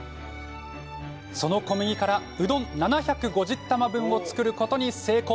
その小麦から、うどん７５０玉分を作ることに成功。